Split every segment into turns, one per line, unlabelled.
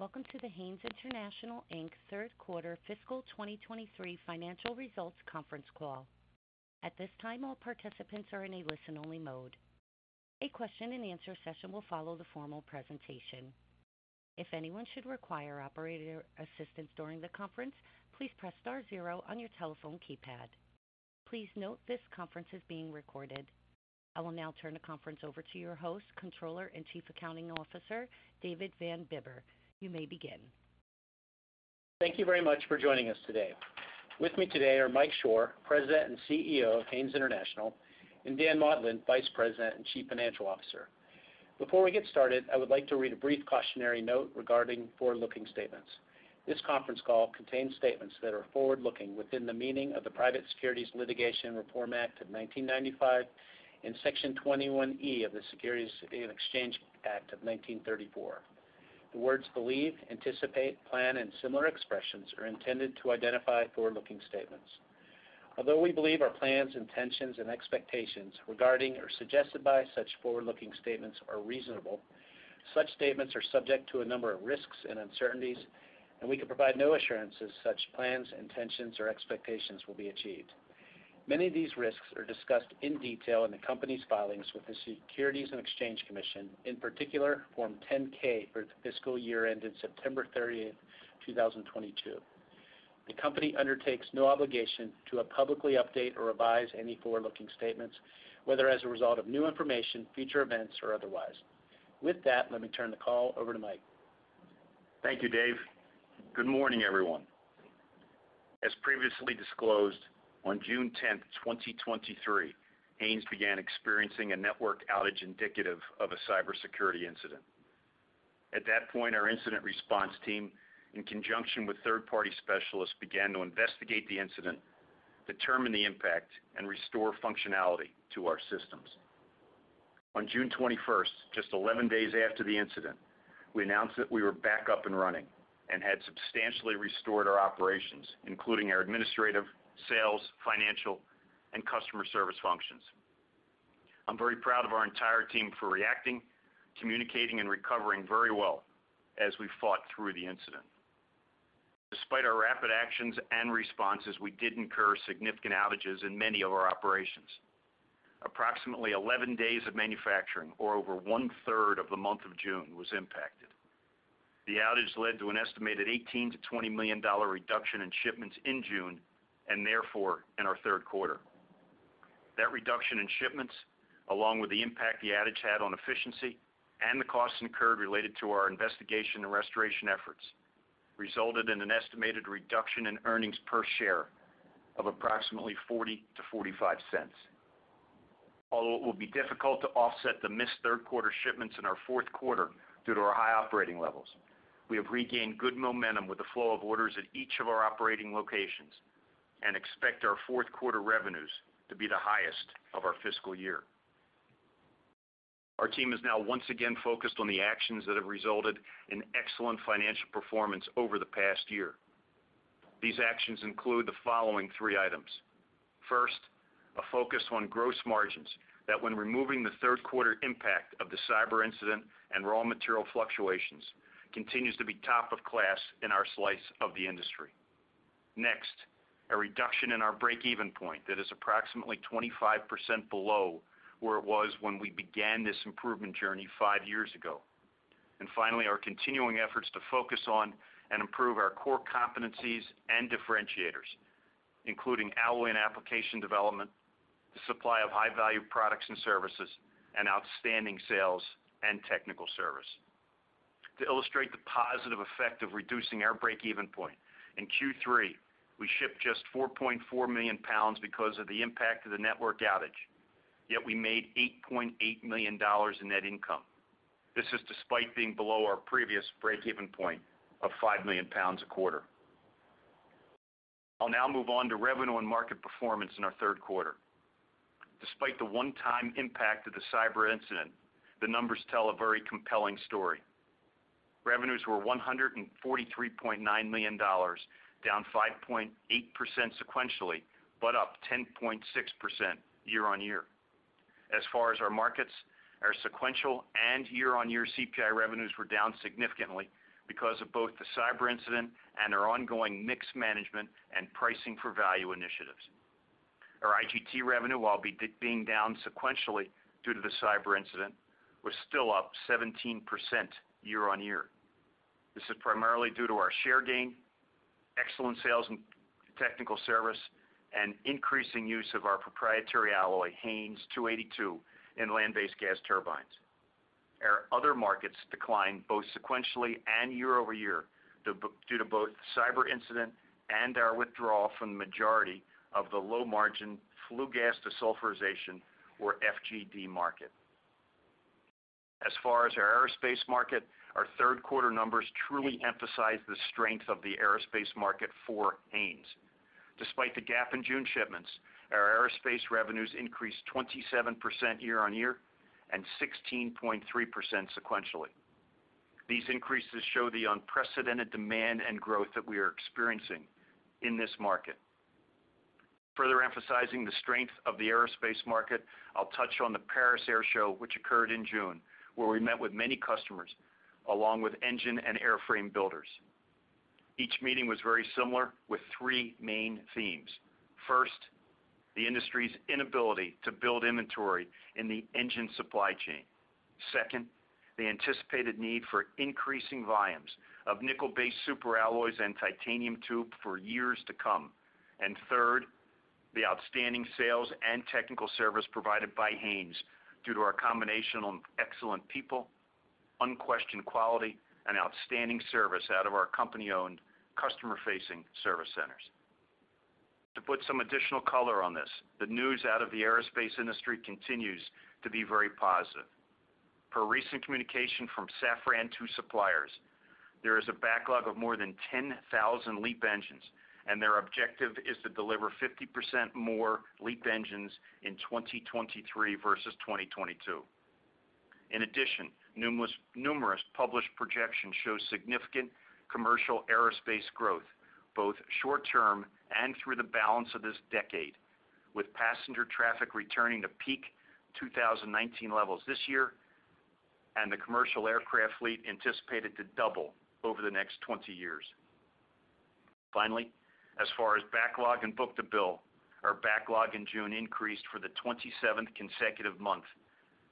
Greetings. Welcome to the Haynes International Inc Third Quarter Fiscal 2023 Financial Results Conference Call. At this time, all participants are in a listen-only mode. A question-and-answer session will follow the formal presentation. If anyone should require operator assistance during the conference, please press star zero on your telephone keypad. Please note this conference is being recorded. I will now turn the conference over to your host, Controller and Chief Accounting Officer, David Van Bibber. You may begin.
Thank you very much for joining us today. With me today are Mike Shor, President and CEO of Haynes International, and Dan Maudlin, Vice President and Chief Financial Officer. Before we get started, I would like to read a brief cautionary note regarding forward-looking statements. This conference call contains statements that are forward-looking within the meaning of the Private Securities Litigation Reform Act of 1995 and Section 21E of the Securities Exchange Act of 1934. The words believe, anticipate, plan, and similar expressions are intended to identify forward-looking statements. Although we believe our plans, intentions, and expectations regarding or suggested by such forward-looking statements are reasonable, such statements are subject to a number of risks and uncertainties, and we can provide no assurances such plans, intentions, or expectations will be achieved. Many of these risks are discussed in detail in the company's filings with the Securities and Exchange Commission, in particular, Form 10-K for the fiscal year ended September 30th, 2022. The company undertakes no obligation to publicly update or revise any forward-looking statements, whether as a result of new information, future events, or otherwise. With that, let me turn the call over to Mike.
Thank you, Dave. Good morning, everyone. As previously disclosed, on June 10th, 2023, Haynes began experiencing a network outage indicative of a cybersecurity incident. At that point, our incident response team, in conjunction with third-party specialists, began to investigate the incident, determine the impact, and restore functionality to our systems. On June 21st, just 11 days after the incident, we announced that we were back up and running and had substantially restored our operations, including our administrative, sales, financial, and customer service functions. I'm very proud of our entire team for reacting, communicating, and recovering very well as we fought through the incident. Despite our rapid actions and responses, we did incur significant outages in many of our operations. Approximately 11 days of manufacturing, or over one-third of the month of June, was impacted. The outage led to an estimated $18 million-$20 million reduction in shipments in June, and therefore in our third quarter. That reduction in shipments, along with the impact the outage had on efficiency and the costs incurred related to our investigation and restoration efforts, resulted in an estimated reduction in earnings per share of approximately $0.40-$0.45. Although it will be difficult to offset the missed third quarter shipments in our fourth quarter due to our high operating levels, we have regained good momentum with the flow of orders at each of our operating locations and expect our fourth quarter revenues to be the highest of our fiscal year. Our team is now once again focused on the actions that have resulted in excellent financial performance over the past year. These actions include the following three items. First, a focus on gross margins that when removing the third quarter impact of the cyber incident and raw material fluctuations, continues to be top of class in our slice of the industry. Next, a reduction in our break-even point that is approximately 25% below where it was when we began this improvement journey five years ago. Finally, our continuing efforts to focus on and improve our core competencies and differentiators, including alloy and application development, the supply of high-value products and services, and outstanding sales and technical service. To illustrate the positive effect of reducing our break-even point, in Q3, we shipped just 4.4 million lbs because of the impact of the network outage, yet we made $8.8 million in net income. This is despite being below our previous break-even point of 5 million lbs a quarter. I'll now move on to revenue and market performance in our third quarter. Despite the one-time impact of the cyber incident, the numbers tell a very compelling story. Revenues were $143.9 million, down $5.8 million sequentially, but up 10.6% year-on-year. As far as our markets, our sequential and year-on-year CPI revenues were down significantly because of both the cyber incident and our ongoing mix management and pricing for value initiatives. Our IGT revenue, while being down sequentially due to the cyber incident, was still up 17% year-on-year. This is primarily due to our share gain, excellent sales and technical service, and increasing use of our proprietary alloy, HAYNES 282, in land-based gas turbines. Our other markets declined both sequentially and year-over-year, due to both the cyber incident and our withdrawal from the majority of the low-margin flue gas desulfurization or FGD market. As far as our aerospace market, our third quarter numbers truly emphasize the strength of the aerospace market for Haynes. Despite the gap in June shipments, our aerospace revenues increased 27% year-on-year and 16.3% sequentially. These increases show the unprecedented demand and growth that we are experiencing in this market. Further emphasizing the strength of the aerospace market, I'll touch on the Paris Air Show, which occurred in June, where we met with many customers, along with engine and airframe builders. Each meeting was very similar, with three main themes. First, the industry's inability to build inventory in the engine supply chain. Second, the anticipated need for increasing volumes of nickel-based superalloys and titanium tube for years to come. Third, the outstanding sales and technical service provided by Haynes due to our combination of excellent people, unquestioned quality, and outstanding service out of our company-owned, customer-facing service centers. To put some additional color on this, the news out of the aerospace industry continues to be very positive. Per recent communication from Safran to suppliers, there is a backlog of more than 10,000 LEAP engines, and their objective is to deliver 50% more LEAP engines in 2023 versus 2022. In addition, numerous, numerous published projections show significant commercial aerospace growth, both short term and through the balance of this decade, with passenger traffic returning to peak 2019 levels this year and the commercial aircraft fleet anticipated to double over the next 20 years. Finally, as far as backlog and book-to-bill, our backlog in June increased for the 27th consecutive month,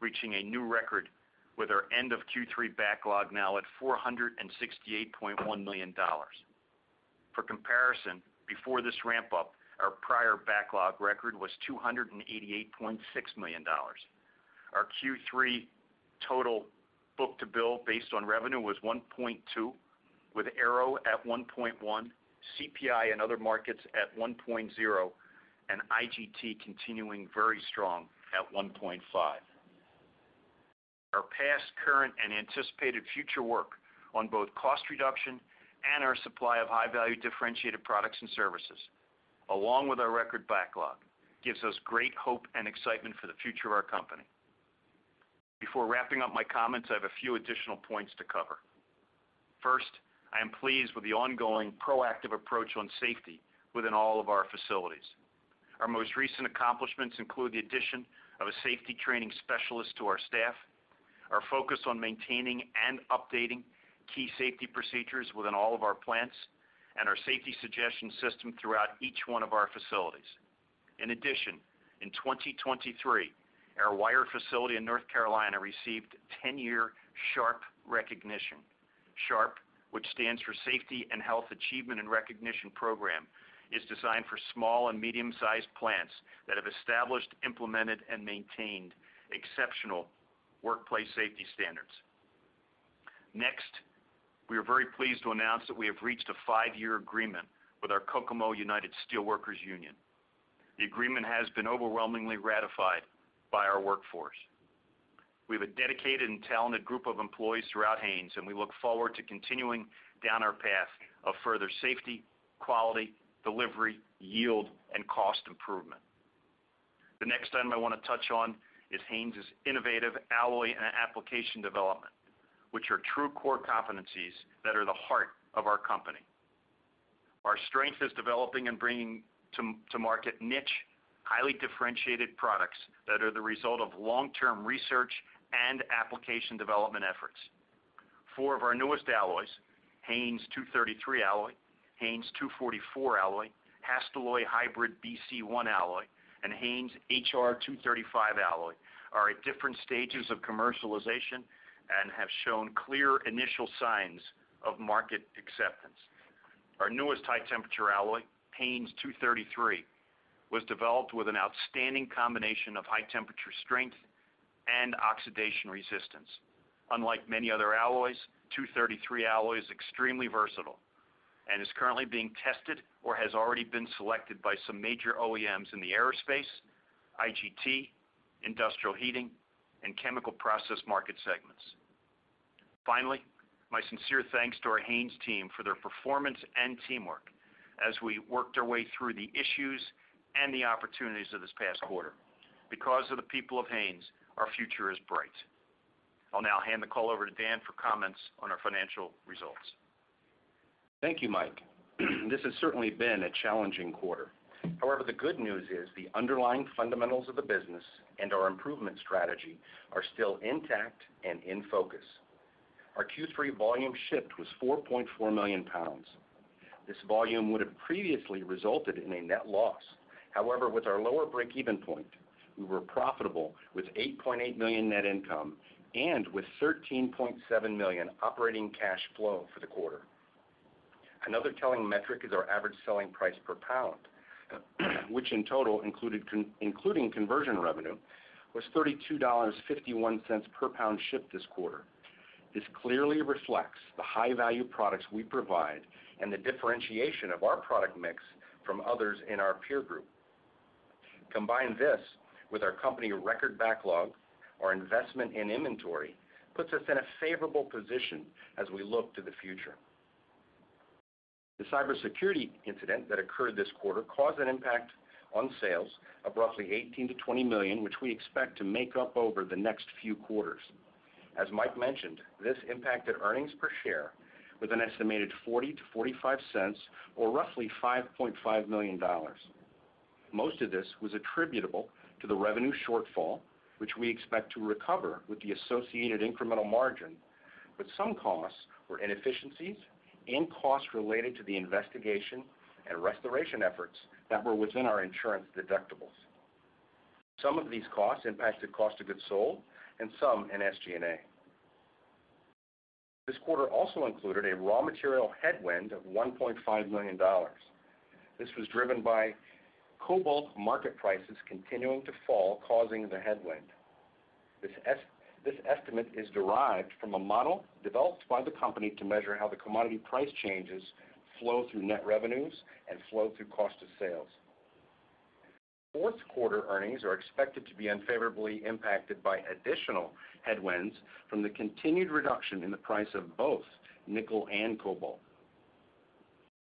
reaching a new record with our end of Q3 backlog now at $468.1 million. For comparison, before this ramp-up, our prior backlog record was $288.6 million. Our Q3 total book-to-bill based on revenue was 1.2, with Aero at 1.1, CPI and other markets at 1.0, and IGT continuing very strong at 1.5. Our past, current, and anticipated future work on both cost reduction and our supply of high-value, differentiated products and services, along with our record backlog, gives us great hope and excitement for the future of our company. Before wrapping up my comments, I have a few additional points to cover. First, I am pleased with the ongoing proactive approach on safety within all of our facilities. Our most recent accomplishments include the addition of a safety training specialist to our staff, our focus on maintaining and updating key safety procedures within all of our plants, and our safety suggestion system throughout each one of our facilities. In addition, in 2023, our wire facility in North Carolina received 10-year SHARP recognition. SHARP, which stands for Safety and Health Achievement Recognition Program, is designed for small and medium-sized plants that have established, implemented, and maintained exceptional workplace safety standards. Next, we are very pleased to announce that we have reached a five-year agreement with our Kokomo United Steelworkers Union. The agreement has been overwhelmingly ratified by our workforce. We have a dedicated and talented group of employees throughout Haynes, and we look forward to continuing down our path of further safety, quality, delivery, yield, and cost improvement. The next item I want to touch on is Haynes's innovative alloy and application development, which are true core competencies that are the heart of our company. Our strength is developing and bringing to market niche, highly differentiated products that are the result of long-term research and application development efforts. Four of our newest alloys, HAYNES 233 alloy, HAYNES 244 alloy, HASTELLOY HYBRID-BC1 alloy, and HAYNES HR-235 alloy, are at different stages of commercialization and have shown clear initial signs of market acceptance. Our newest high-temperature alloy, HAYNES 233, was developed with an outstanding combination of high-temperature strength and oxidation resistance. Unlike many other alloys, HAYNES 233 alloy is extremely versatile and is currently being tested or has already been selected by some major OEMs in the aerospace, IGT, industrial heating, and chemical process market segments. Finally, my sincere thanks to our Haynes team for their performance and teamwork as we worked our way through the issues and the opportunities of this past quarter. Because of the people of Haynes, our future is bright. I'll now hand the call over to Dan for comments on our financial results.
Thank you, Mike. This has certainly been a challenging quarter. However, the good news is the underlying fundamentals of the business and our improvement strategy are still intact and in focus. Our Q3 volume shipped was 4.4 million lbs. This volume would have previously resulted in a net loss. However, with our lower break-even point, we were profitable with $8.8 million net income and with $13.7 million operating cash flow for the quarter. Another telling metric is our average selling price per pound, which in total including conversion revenue, was $32.51/lb shipped this quarter. This clearly reflects the high-value products we provide and the differentiation of our product mix from others in our peer group. Combine this with our company record backlog, our investment in inventory, puts us in a favorable position as we look to the future. The cybersecurity incident that occurred this quarter caused an impact on sales of roughly $18 million-$20 million, which we expect to make up over the next few quarters. As Mike mentioned, this impacted earnings per share with an estimated $0.40-$0.45, or roughly $5.5 million. Most of this was attributable to the revenue shortfall, which we expect to recover with the associated incremental margin, but some costs were inefficiencies and costs related to the investigation and restoration efforts that were within our insurance deductibles. Some of these costs impacted cost of goods sold and some in SG&A. This quarter also included a raw material headwind of $1.5 million. This was driven by cobalt market prices continuing to fall, causing the headwind. This estimate is derived from a model developed by the company to measure how the commodity price changes flow through net revenues and flow through cost of sales. Fourth quarter earnings are expected to be unfavorably impacted by additional headwinds from the continued reduction in the price of both nickel and cobalt.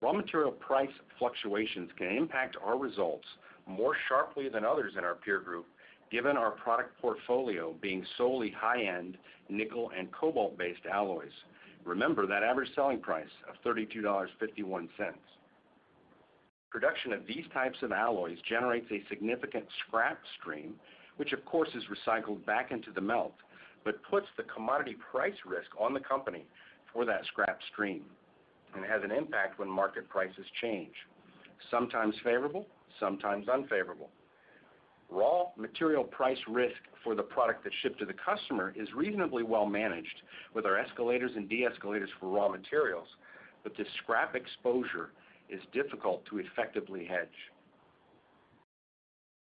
Raw material price fluctuations can impact our results more sharply than others in our peer group, given our product portfolio being solely high-end nickel and cobalt-based alloys. Remember that average selling price of $32.51. Production of these types of alloys generates a significant scrap stream, which, of course, is recycled back into the melt, but puts the commodity price risk on the company for that scrap stream and has an impact when market prices change, sometimes favorable, sometimes unfavorable. Raw material price risk for the product that's shipped to the customer is reasonably well managed with our escalators and de-escalators for raw materials, but the scrap exposure is difficult to effectively hedge.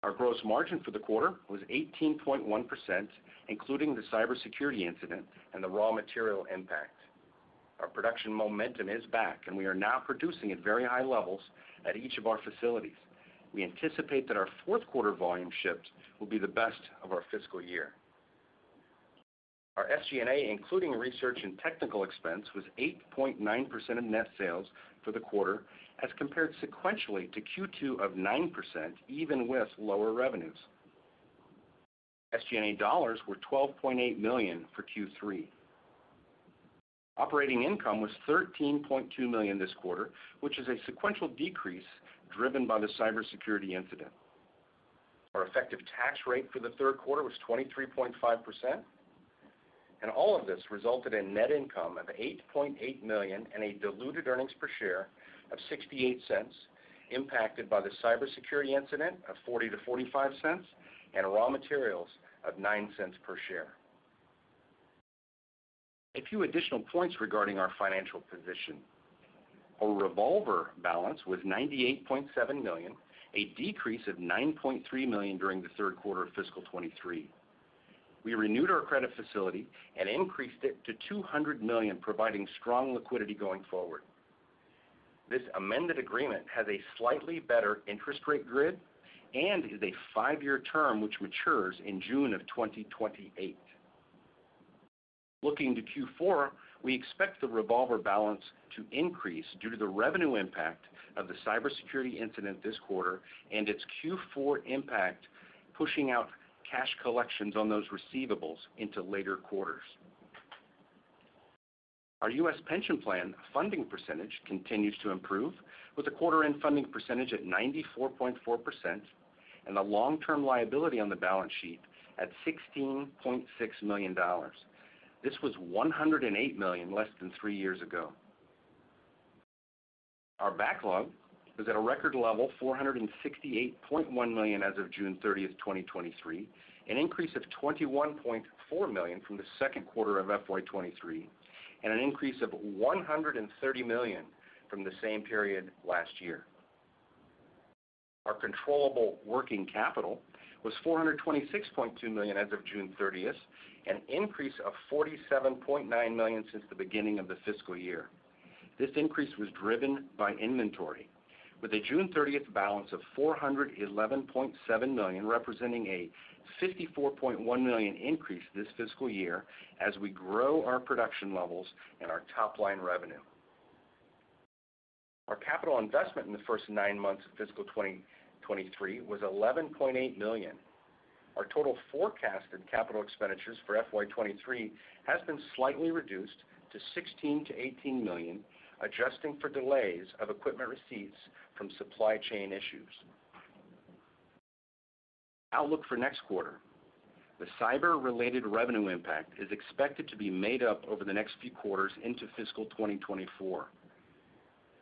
Our gross margin for the quarter was 18.1%, including the cybersecurity incident and the raw material impact. Our production momentum is back, and we are now producing at very high levels at each of our facilities. We anticipate that our fourth quarter volume shipped will be the best of our fiscal year. Our SG&A, including research and technical expense, was 8.9% of net sales for the quarter, as compared sequentially to Q2 of 9%, even with lower revenues. SG&A dollars were $12.8 million for Q3. Operating income was $13.2 million this quarter, which is a sequential decrease driven by the cybersecurity incident. Our effective tax rate for the third quarter was 23.5%, and all of this resulted in net income of $8.8 million and a diluted earnings per share of $0.68, impacted by the cybersecurity incident of $0.40-$0.45 and raw materials of $0.09 per share. A few additional points regarding our financial position. Our revolver balance was $98.7 million, a decrease of $9.3 million during the third quarter of fiscal 2023. We renewed our credit facility and increased it to $200 million, providing strong liquidity going forward. This amended agreement has a slightly better interest rate grid and is a five-year term, which matures in June of 2028. Looking to Q4, we expect the revolver balance to increase due to the revenue impact of the cybersecurity incident this quarter and its Q4 impact, pushing out cash collections on those receivables into later quarters. Our U.S. pension plan funding percentage continues to improve, with a quarter end funding percentage at 94.4% and a long-term liability on the balance sheet at $16.6 million. This was $108 million less than three years ago. Our backlog is at a record level, $468.1 million as of June 30th, 2023, an increase of $21.4 million from the second quarter of FY 2023, and an increase of $130 million from the same period last year. Our controllable working capital was $426.2 million as of June 30th, an increase of $47.9 million since the beginning of the fiscal year. This increase was driven by inventory, with a June 30th balance of $411.7 million, representing a $54.1 million increase this fiscal year as we grow our production levels and our top-line revenue. Our capital investment in the first nine months of fiscal 2023 was $11.8 million. Our total forecasted capital expenditures for FY 2023 has been slightly reduced to $16 million-$18 million, adjusting for delays of equipment receipts from supply chain issues. Outlook for next quarter. The cyber-related revenue impact is expected to be made up over the next few quarters into fiscal 2024.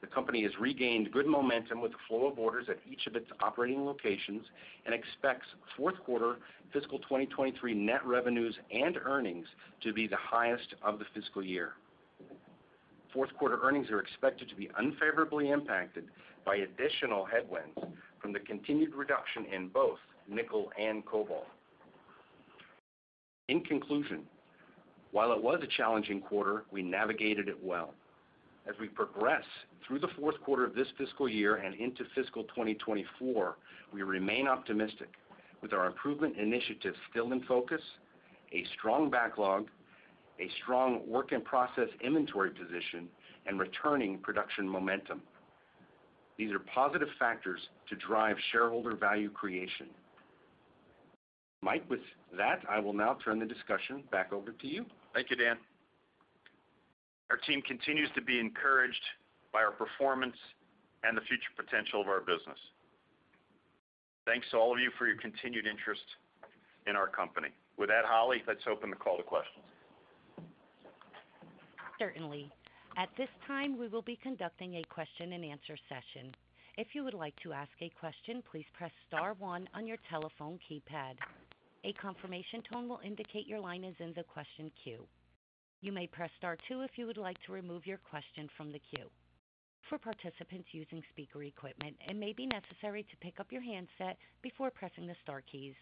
The company has regained good momentum with the flow of orders at each of its operating locations and expects fourth quarter fiscal 2023 net revenues and earnings to be the highest of the fiscal year. Fourth quarter earnings are expected to be unfavorably impacted by additional headwinds from the continued reduction in both nickel and cobalt. In conclusion, while it was a challenging quarter, we navigated it well. As we progress through the fourth quarter of this fiscal year and into fiscal 2024, we remain optimistic with our improvement initiatives still in focus, a strong backlog, a strong work-in-process inventory position, and returning production momentum. These are positive factors to drive shareholder value creation. Mike, with that, I will now turn the discussion back over to you.
Thank you, Dan. Our team continues to be encouraged by our performance and the future potential of our business. Thanks to all of you for your continued interest in our company. With that, Holly, let's open the call to questions.
Certainly. At this time, we will be conducting a question-and-answer session. If you would like to ask a question, please press star one on your telephone keypad. A confirmation tone will indicate your line is in the question queue. You may press star two if you would like to remove your question from the queue. For participants using speaker equipment, it may be necessary to pick up your handset before pressing the star keys.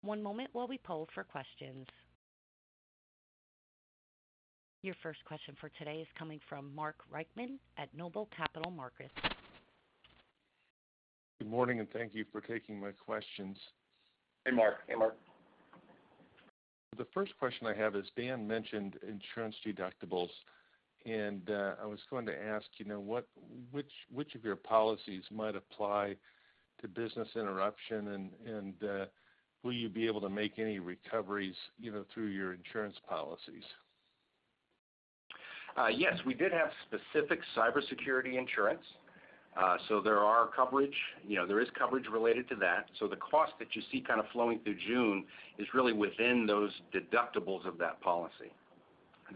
One moment while we poll for questions. Your first question for today is coming from Mark Reichman at Noble Capital Markets.
Good morning, and thank you for taking my questions.
Hey, Mark.
Hey, Mark.
The first question I have is, Dan mentioned insurance deductibles, and, I was going to ask, you know, which, which of your policies might apply to business interruption, and, and, will you be able to make any recoveries, you know, through your insurance policies?
Yes, we did have specific cybersecurity insurance. There are coverage, you know, there is coverage related to that. The cost that you see kind of flowing through June is really within those deductibles of that policy.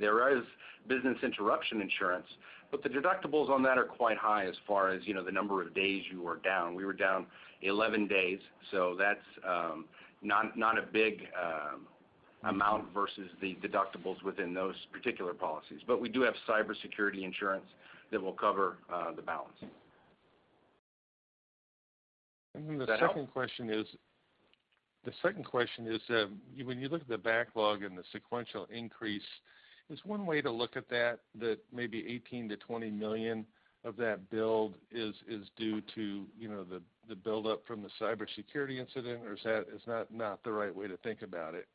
There is business interruption insurance, but the deductibles on that are quite high as far as, you know, the number of days you were down. We were down 11 days, so that's not, not a big amount versus the deductibles within those particular policies. We do have cybersecurity insurance that will cover the balance. Does that help?
Then the second question is, the second question is, when you look at the backlog and the sequential increase, is one way to look at that, that maybe $18 million-$20 million of that build is, is due to, you know, the, the buildup from the cybersecurity incident, or is that not the right way to think about it?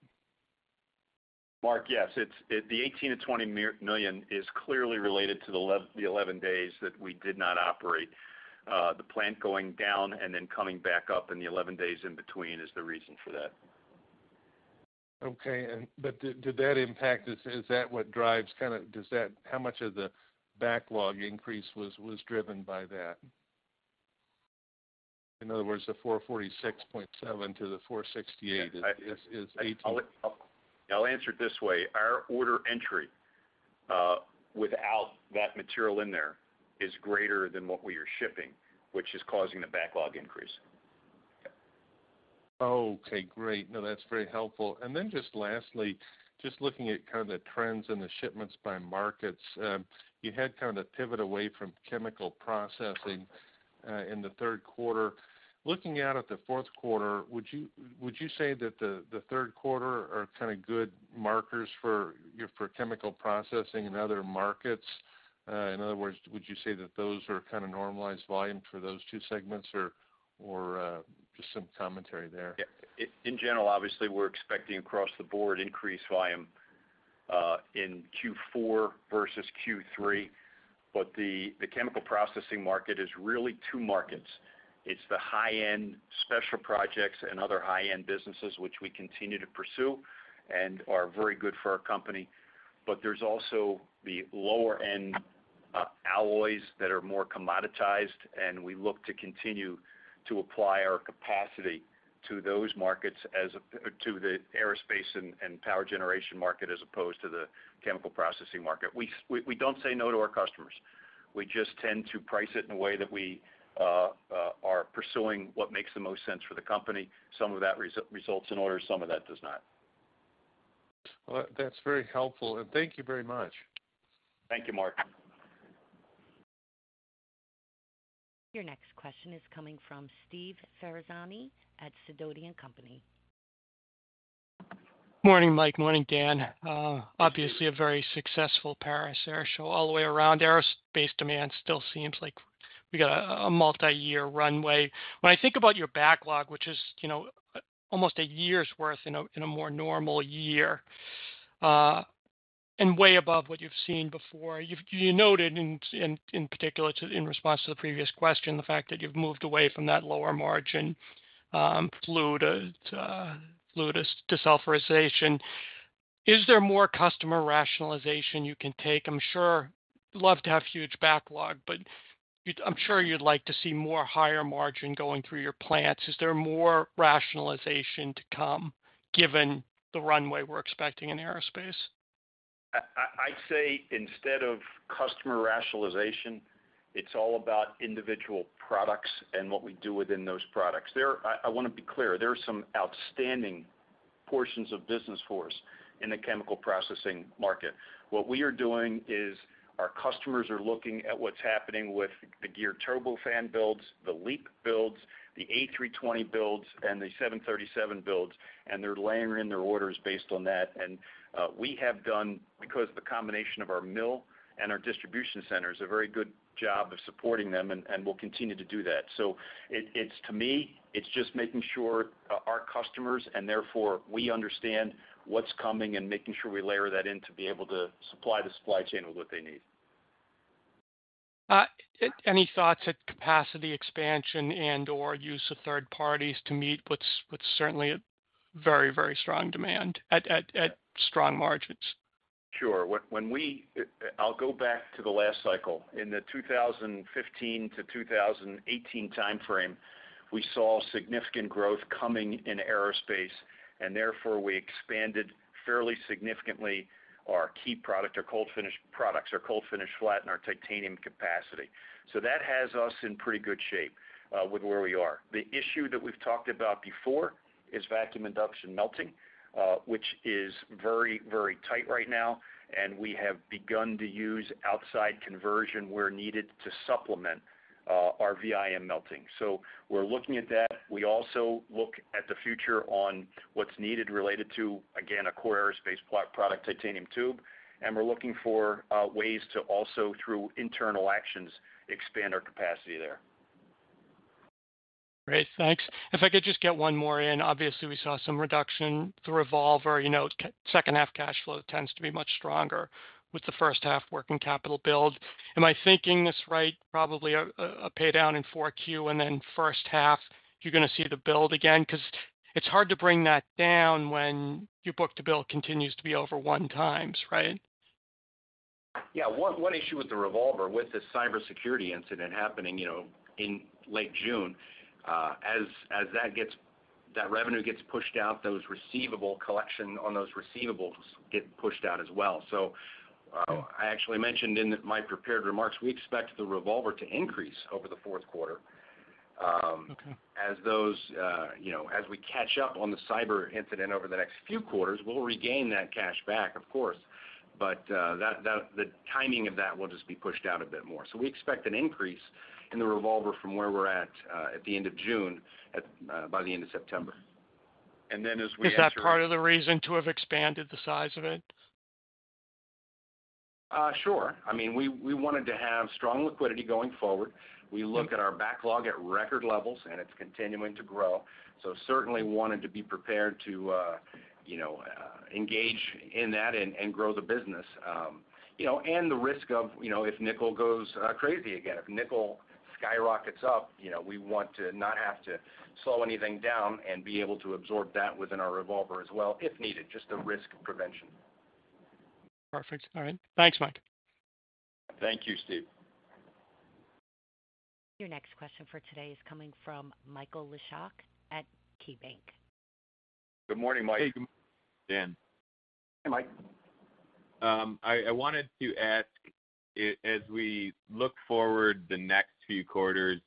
Mark, yes, it's, the $18 million-$20 million is clearly related to the 11 days that we did not operate. The plant going down and then coming back up, and the 11 days in between is the reason for that.
Okay. But did that impact-- Is that what drives kind of how much of the backlog increase was driven by that? In other words, the $446.7 to the $468 is —
I'll answer it this way: our order entry, without that material in there is greater than what we are shipping, which is causing the backlog increase.
Okay, great. No, that's very helpful. Just lastly, just looking at kind of the trends in the shipments by markets, you had kind of pivot away from chemical processing in the third quarter. Looking out at the fourth quarter, would you say that the third quarter are kind of good markers for chemical processing in other markets? In other words, would you say that those are kind of normalized volume for those two segments or just some commentary there?
Yeah. In general, obviously, we're expecting across the board increased volume in Q4 versus Q3. The chemical processing market is really two markets. It's the high-end special projects and other high-end businesses, which we continue to pursue and are very good for our company. There's also the lower-end alloys that are more commoditized, and we look to continue to apply our capacity to those markets as opposed to the aerospace and power generation market, as opposed to the chemical processing market. We don't say no to our customers. We just tend to price it in a way that we are pursuing what makes the most sense for the company. Some of that results in orders, some of that does not.
Well, that's very helpful, and thank you very much.
Thank you, Mark.
Your next question is coming from Steve Ferazani at Sidoti & Company.
Morning, Mike. Morning, Dan.
Good morning.
Obviously a very successful Paris Air Show all the way around. Aerospace demand still seems like we got a multiyear runway. When I think about your backlog, which is, you know, almost a year's worth in a more normal year, and way above what you've seen before, you noted in particular, to in response to the previous question, the fact that you've moved away from that lower margin, flue gas desulfurization. Is there more customer rationalization you can take? I'm sure love to have huge backlog, but I'm sure you'd like to see more higher margin going through your plants. Is there more rationalization to come given the runway we're expecting in aerospace?
I'd say instead of customer rationalization, it's all about individual products and what we do within those products. There, I want to be clear, there are some outstanding portions of business for us in the chemical processing market. What we are doing is our customers are looking at what's happening with the geared turbofan builds, the LEAP builds, the A320 builds, and the 737 builds, and they're layering in their orders based on that. We have done, because of the combination of our mill and our distribution centers, a very good job of supporting them, and we'll continue to do that. To me, it's just making sure our customers, and therefore, we understand what's coming and making sure we layer that in to be able to supply the supply chain with what they need.
Any thoughts at capacity expansion and or use of third parties to meet what's, what's certainly a very, very strong demand at strong margins?
Sure. When we-- I'll go back to the last cycle. In the 2015 to 2018 time frame, we saw significant growth coming in aerospace, and therefore we expanded fairly significantly our key product, our cold finish products, our cold finish flat, and our titanium capacity. That has us in pretty good shape with where we are. The issue that we've talked about before is vacuum induction melting, which is very, very tight right now, and we have begun to use outside conversion where needed to supplement our VIM melting. We're looking at that. We also look at the future on what's needed related to, again, a core aerospace plot product, titanium tube. We're looking for ways to also, through internal actions, expand our capacity there.
Great, thanks. If I could just get one more in. Obviously, we saw some reduction through revolver. You know, second half cash flow tends to be much stronger with the first half controllable working capital build. Am I thinking this right? Probably a pay down in 4Q, and then first half, you're going to see the build again, because it's hard to bring that down when your book-to-bill continues to be over 1x, right?
Yeah, one issue with the revolver, with the cybersecurity incident happening, you know, in late June, as that revenue gets pushed out, those receivable collection on those receivables get pushed out as well. I actually mentioned in my prepared remarks, we expect the revolver to increase over the fourth quarter.
Okay.
As those, you know, as we catch up on the cyber incident over the next few quarters, we'll regain that cash back, of course, but the timing of that will just be pushed out a bit more. We expect an increase in the revolver from where we're at at the end of June, at by the end of September.
Is that part of the reason to have expanded the size of it?
Sure. I mean, we wanted to have strong liquidity going forward. We look at our backlog at record levels, it's continuing to grow. Certainly wanted to be prepared to, you know, engage in that and grow the business. You know, the risk of, you know, if nickel goes crazy again. If nickel skyrockets up, you know, we want to not have to slow anything down and be able to absorb that within our revolver as well, if needed, just a risk prevention.
Perfect. All right. Thanks, Mike.
Thank you, Steve.
Your next question for today is coming from Michael Leshock at KeyBank.
Good morning, Mike.
Hey, Dan.
Hey, Mike.
I wanted to ask, as we look forward the next few quarters,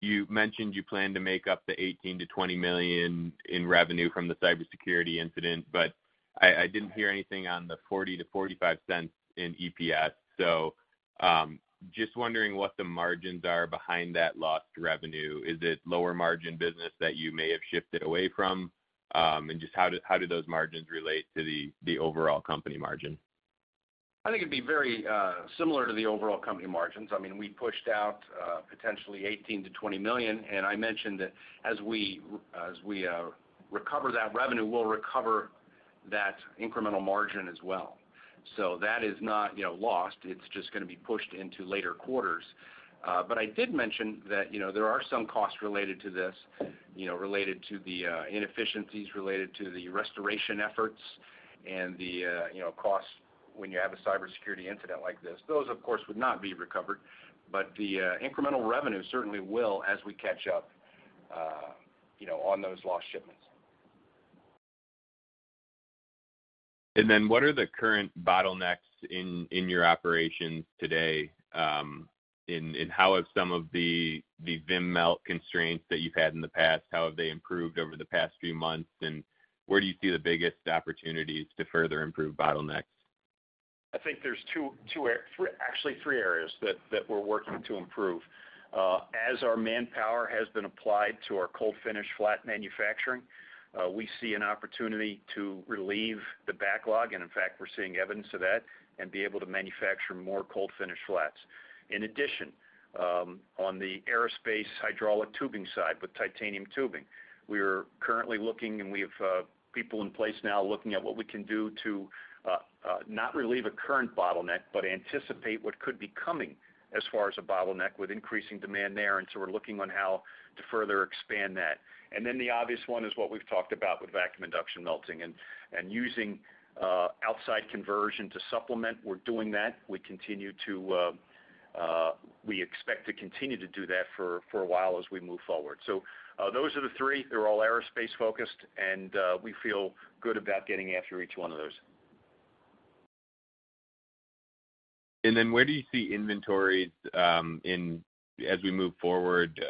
you mentioned you plan to make up the $18 million-$20 million in revenue from the cybersecurity incident, but I didn't hear anything on the $0.40-$0.45 in EPS. Just wondering what the margins are behind that lost revenue. Is it lower margin business that you may have shifted away from? Just how do those margins relate to the overall company margin?
I think it'd be very similar to the overall company margins. I mean, we pushed out potentially $18 million-$20 million, and I mentioned that as we recover that revenue, we'll recover that incremental margin as well. That is not, you know, lost. It's just going to be pushed into later quarters. I did mention that, you know, there are some costs related to this, you know, related to the inefficiencies, related to the restoration efforts and the, you know, costs when you have a cybersecurity incident like this. Those, of course, would not be recovered, the incremental revenue certainly will as we catch up, you know, on those lost shipments.
What are the current bottlenecks in your operations today? And how have some of the VIM melt constraints that you've had in the past, how have they improved over the past few months, and where do you see the biggest opportunities to further improve bottlenecks?
I think there's two, actually three areas that, that we're working to improve. As our manpower has been applied to our cold finish flat manufacturing, we see an opportunity to relieve the backlog, and in fact, we're seeing evidence of that, and be able to manufacture more cold finish flats. In addition, on the aerospace hydraulic tubing side, with titanium tubing, we are currently looking, and we have people in place now looking at what we can do to not relieve a current bottleneck, but anticipate what could be coming as far as a bottleneck with increasing demand there. So we're looking on how to further expand that. Then the obvious one is what we've talked about with vacuum induction melting and using outside conversion to supplement. We're doing that. We continue to, we expect to continue to do that for, for a while as we move forward. Those are the three. They're all aerospace-focused, and, we feel good about getting after each one of those.
Where do you see inventories in as we move forward?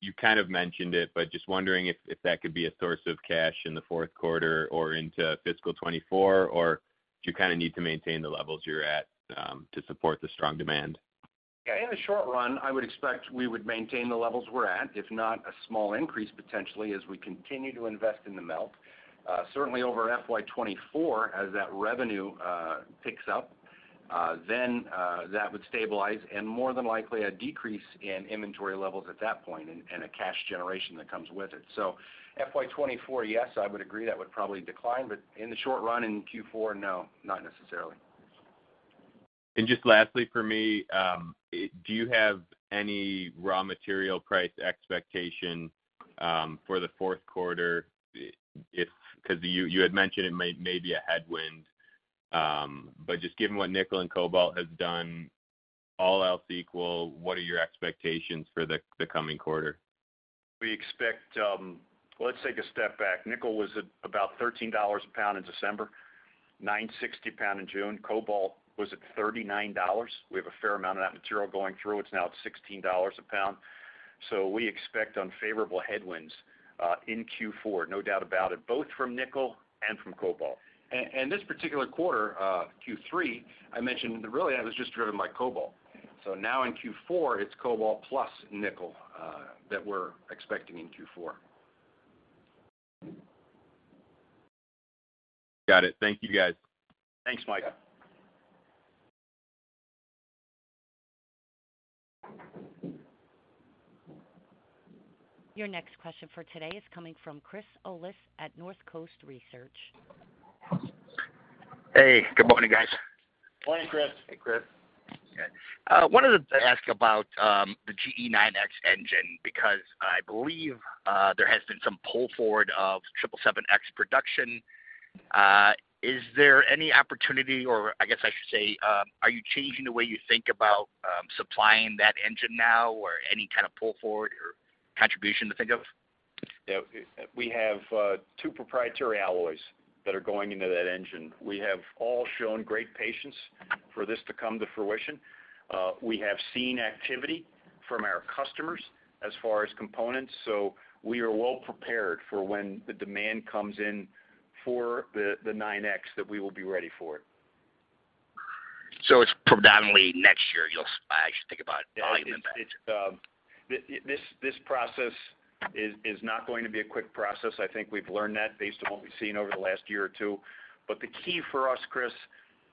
You kind of mentioned it, but just wondering if that could be a source of cash in the fourth quarter or into fiscal 2024, or do you kind of need to maintain the levels you're at to support the strong demand?
In the short run, I would expect we would maintain the levels we're at, if not a small increase, potentially, as we continue to invest in the melt. Certainly over FY 2024, as that revenue picks up, then that would stabilize and more than likely a decrease in inventory levels at that point and a cash generation that comes with it. FY 2024, yes, I would agree that would probably decline, but in the short run, in Q4, no, not necessarily.
Just lastly, for me, do you have any raw material price expectation for the fourth quarter? Because you, you had mentioned it may be a headwind. But just given what nickel and cobalt has done, all else equal, what are your expectations for the coming quarter?
We expect, let's take a step back. Nickel was at about $13/lb in December, $9.60/lb in June. Cobalt was at $39. We have a fair amount of that material going through. It's now at $16/lb. We expect unfavorable headwinds in Q4, no doubt about it, both from nickel and from cobalt.
This particular quarter, Q3, I mentioned that really that was just driven by cobalt. Now in Q4, it's cobalt plus nickel, that we're expecting in Q4.
Got it. Thank you, guys.
Thanks, Mike.
Your next question for today is coming from Chris Olin at Northcoast Research.
Hey, good morning, guys.
Morning, Chris.
Hey, Chris.
Wanted to ask about the GE9X engine, because I believe there has been some pull forward of 777X production. Is there any opportunity, or I guess I should say, are you changing the way you think about supplying that engine now or any kind of pull forward or contribution to think of?
Yeah, we have two proprietary alloys that are going into that engine. We have all shown great patience for this to come to fruition. We have seen activity from our customers as far as components. We are well prepared for when the demand comes in for the 9X, that we will be ready for it.
It's predominantly next year, I should think about volume impact.
It's, this, this process is, is not going to be a quick process. I think we've learned that based on what we've seen over the last year or two. The key for us, Chris,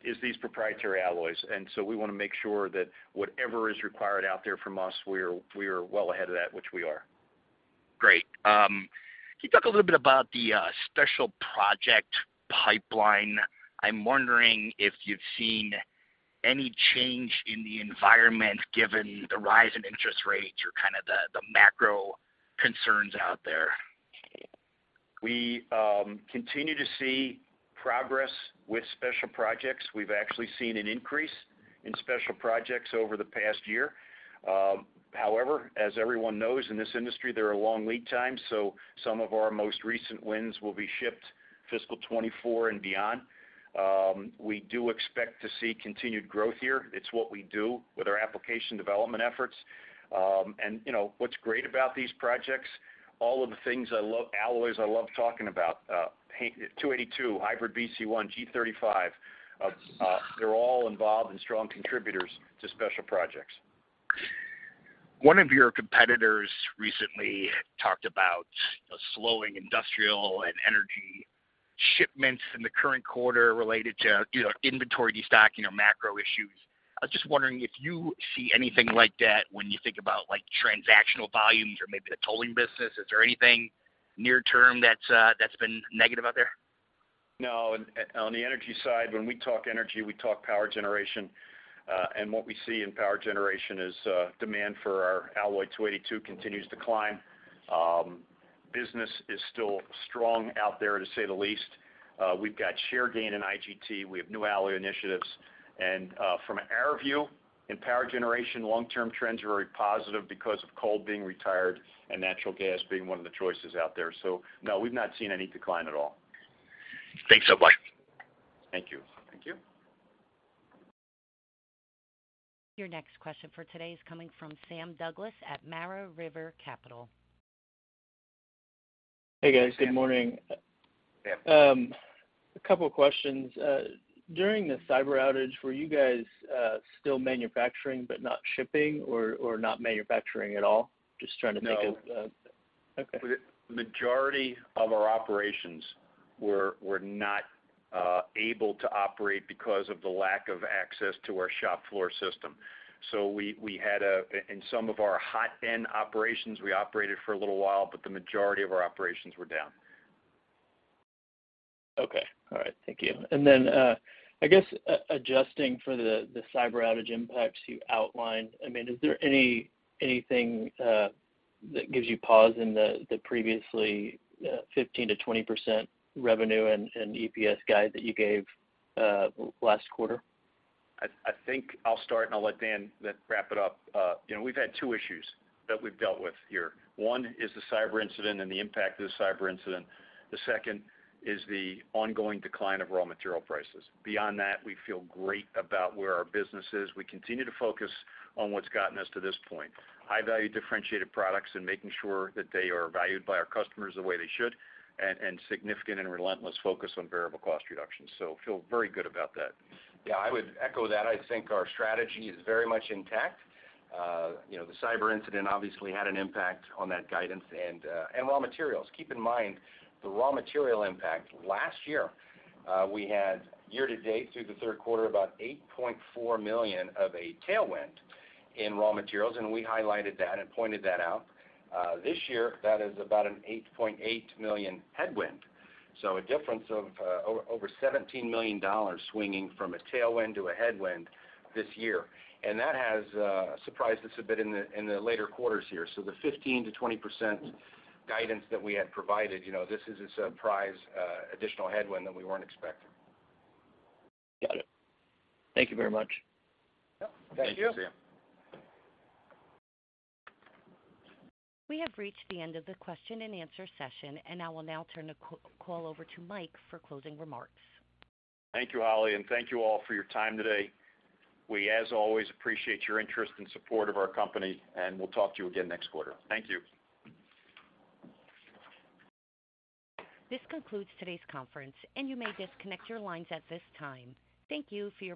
is these proprietary alloys, and so we want to make sure that whatever is required out there from us, we are, we are well ahead of that, which we are.
Great. Can you talk a little bit about the special project pipeline? I'm wondering if you've seen any change in the environment, given the rise in interest rates or kind of the macro concerns out there.
We continue to see progress with special projects. We've actually seen an increase in special projects over the past year. However, as everyone knows, in this industry, there are long lead times, so some of our most recent wins will be shipped fiscal 2024 and beyond. We do expect to see continued growth here. It's what we do with our application development efforts. You know, what's great about these projects, all of the things I love, alloys I love talking about, HAYNES 282, HYBRID-BC1, G-35, they're all involved and strong contributors to special projects.
One of your competitors recently talked about a slowing industrial and energy shipments in the current quarter related to, you know, inventory destocking or macro issues. I was just wondering if you see anything like that when you think about, like, transactional volumes or maybe the tolling business. Is there anything near term that's been negative out there?
No. On the energy side, when we talk energy, we talk power generation. What we see in power generation is demand for our alloy 282 continues to climb. Business is still strong out there, to say the least. We've got share gain in IGT, we have new alloy initiatives, and from our view in power generation, long-term trends are very positive because of coal being retired and natural gas being one of the choices out there. No, we've not seen any decline at all.
Thanks so much.
Thank you.
Thank you.
Your next question for today is coming from Sam Douglas at Mara River Capital.
Hey, guys. Good morning.
Hey.
A couple of questions. During the cyber outage, were you guys still manufacturing but not shipping or, or not manufacturing at all? Just trying to make.
No.
Okay.
Majority of our operations were, were not able to operate because of the lack of access to our shop floor system. We, we had in some of our hot end operations, we operated for a little while, but the majority of our operations were down.
Okay. All right, thank you. Then, I guess adjusting for the, the cyber outage impacts you outlined, I mean, is there anything that gives you pause in the previously 15%-20% revenue and EPS guide that you gave last quarter?
I think I'll start, and I'll let Dan then wrap it up. You know, we've had two issues that we've dealt with here. One is the cyber incident and the impact of the cyber incident. The second is the ongoing decline of raw material prices. Beyond that, we feel great about where our business is. We continue to focus on what's gotten us to this point. High-value, differentiated products and making sure that they are valued by our customers the way they should, and significant and relentless focus on variable cost reductions. Feel very good about that.
Yeah, I would echo that. I think our strategy is very much intact. You know, the cyber incident obviously had an impact on that guidance and raw materials. Keep in mind, the raw material impact last year, we had year to date, through the third quarter, about $8.4 million of a tailwind in raw materials, and we highlighted that and pointed that out. This year, that is about an $8.8 million headwind. A difference of over $17 million swinging from a tailwind to a headwind this year. That has surprised us a bit in the, in the later quarters here. The 15%-20% guidance that we had provided, you know, this is a surprise, additional headwind that we weren't expecting.
Got it. Thank you very much.
Yeah. Thank you.
Thank you, Sam.
We have reached the end of the question-and-answer session, and I will now turn the call over to Mike for closing remarks.
Thank you, Holly, and thank you all for your time today. We, as always, appreciate your interest and support of our company, and we'll talk to you again next quarter. Thank you.
This concludes today's conference. You may disconnect your lines at this time. Thank you for your participation.